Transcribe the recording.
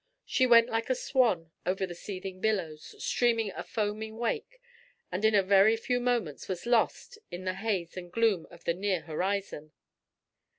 She went like a swan over the seething billows, streaming a foaming wake, and in a very few moments was lost in the haze and gloom of the near horizon.